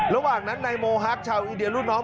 จริงจริงจริงจริง